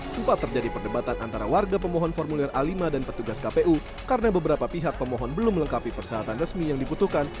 sempat terjadi perdebatan antara warga pemohon formulir a lima dan petugas kpu karena beberapa pihak pemohon belum melengkapi persyaratan resmi yang diputuhkan